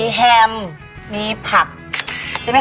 มีแฮมมีผักใช่ป่ะคะ